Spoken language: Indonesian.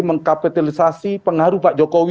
mengkapitalisasi pengaruh pak jokowi